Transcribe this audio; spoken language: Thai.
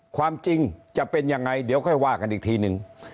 ความจริงจะเป็นยังไงเดี๋ยวค่อยว่ากันอีกทีนึง